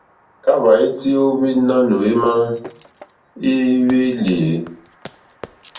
Kahva iti o ohwi nanù ema i hwelì e?